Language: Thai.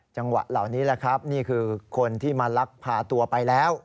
จังหวะเหล่านี้แหละครับนี่คือคนที่มาลักพาตัวไปแล้ว